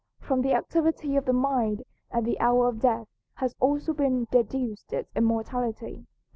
From the activity of the mind at the hour of death has also been deduced its immortality.